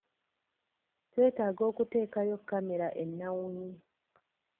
Twetaaga okuteekayo kamera ennawunyi.